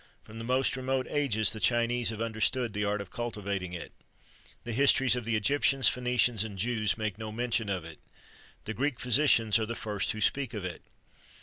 From the most remote ages the Chinese have understood the art of cultivating it. The histories of the Egyptians, Phœnicians, and Jews, make no mention of it. The Greek physicians are the first who speak of it.